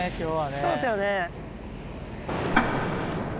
そうですよね。